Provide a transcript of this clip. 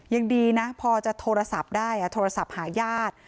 ยังดีนะพอจะโทรศัพท์ได้โทรศัพท์หาญาติ